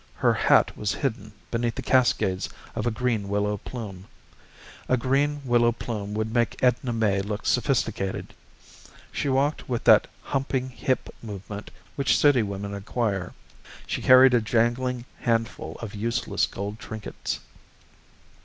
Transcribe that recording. Her hat was hidden beneath the cascades of a green willow plume. A green willow plume would make Edna May look sophisticated. She walked with that humping hip movement which city women acquire. She carried a jangling handful of useless gold trinkets.